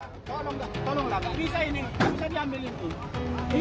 tolong lah tolong lah bisa ini bisa diambil ini